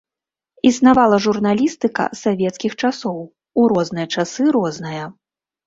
Існавала журналістыка савецкіх часоў, у розныя часы розная.